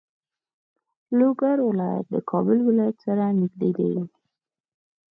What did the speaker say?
لوګر ولایت د کابل ولایت سره نږدې دی.